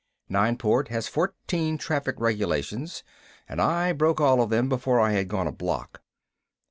Nineport has fourteen traffic regulations and I broke all of them before I had gone a block.